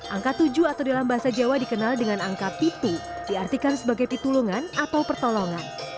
angka tujuh atau dalam bahasa jawa dikenal dengan angka pitu diartikan sebagai pitulungan atau pertolongan